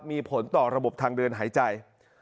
มีผลต่อระบบทางเดินหายใจ